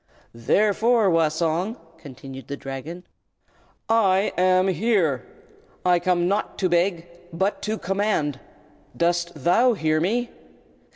"Therefore, Wah Song," continued the Dragon, "I AM HERE! I come not to beg, but to command. Dost thou hear me?"